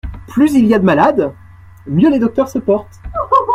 Plus il y a de malades, mieux les docteurs se portent.